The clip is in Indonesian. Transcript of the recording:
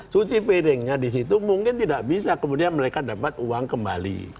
cuci piringnya di situ mungkin tidak bisa kemudian mereka dapat uang kembali